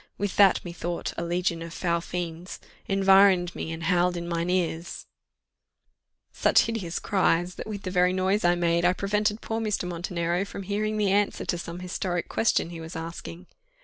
With that, methought, a legion of foul fiends Environ'd me, and howled in mine ears" Such hideous cries! that with the very noise I made, I prevented poor Mr. Montenero from hearing the answer to some historic question he was asking.